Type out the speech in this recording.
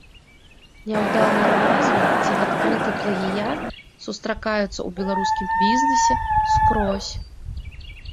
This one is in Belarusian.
Няўдалыя назвы ці адкрыты плагіят сустракаюцца ў беларускім бізнэсе скрозь.